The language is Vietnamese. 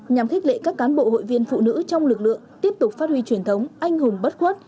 nhằm khích lệ các cán bộ hội viên phụ nữ trong lực lượng tiếp tục phát huy truyền thống anh hùng bất khuất